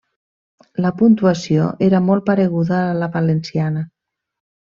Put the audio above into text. La puntuació era molt pareguda a la valenciana.